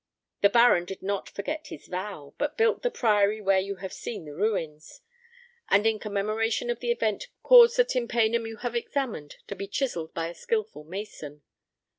The baron did not forget his vow, but built the priory where you have seen the ruins; and in commemoration of the event caused the tympanum you have examined to be chiselled by a skilful mason.